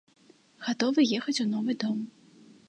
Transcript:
Гатовы ехаць у новы дом.